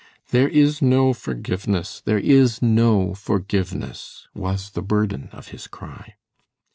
"There is no forgiveness! There is no forgiveness!" was the burden of his cry.